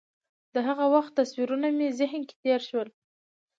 د هغه وخت تصویرونه مې ذهن کې تېر شول.